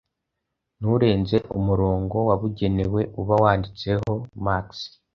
nturenze umurongo wabugenewe uba wanditseho max